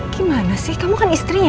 gimana sih kamu kan istrinya